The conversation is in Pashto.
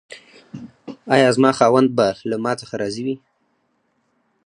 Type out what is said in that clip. ایا زما خاوند به له ما څخه راضي وي؟